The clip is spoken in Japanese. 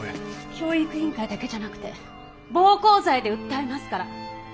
教育委員会だけじゃなくて暴行罪で訴えますから。